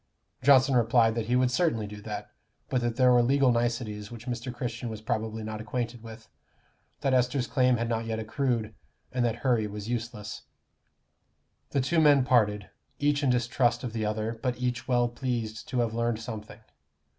Johnson replied that he would certainly do that; but that there were legal niceties which Mr. Christian was probably not acquainted with; that Esther's claim had not yet accrued, and that hurry was useless. The two men parted, each in distrust of the other, but each well pleased to have learned something.